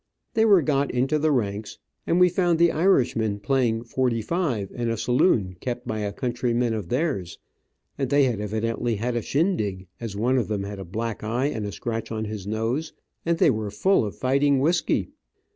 They were got into the ranks, and we found the Irishmen playing forty five in a saloon kept by a countryman of theirs, and they had evidently had a shindig, as one of them had a black eye and a scratch on his nose, and they were full of fighting whisky.